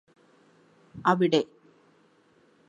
അവിടെ